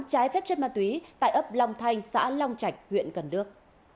trái phép chất ma túy tại ấp long thanh xã long trạch huyện cần đước